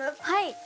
はい。